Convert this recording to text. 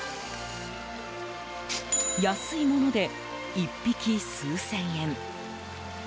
安いもので、１匹数千円。